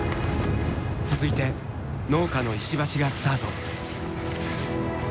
続いて農家の石橋がスタート。